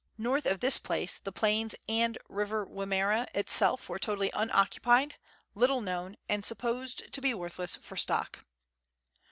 North of this place, the plains and River Wimmera itself were totally unoccupied, little known, and supposed to be worthless for stock.